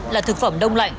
là thực phẩm đông lạnh